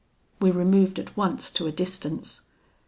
"We removed at once to a distance.